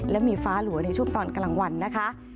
และมีฟ้าหลัวในช่วงตอนกลางวันนะคะ